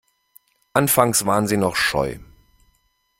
Anfangs waren sie noch scheu.